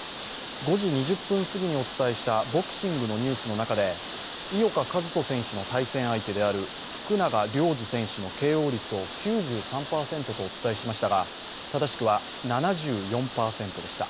５時２０分過ぎにお伝えしたボクシングのニュースの中で井岡一翔選手の対戦相手である福永亮次選手のＫＯ率を９３％とお伝えしましたが、正しくは７４％でした。